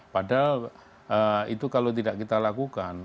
padahal itu kalau tidak kita lakukan